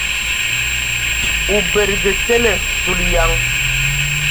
O badǝgǝ tele ! Zulǝyan!